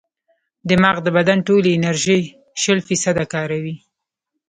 دماغ د بدن ټولې انرژي شل فیصده کاروي.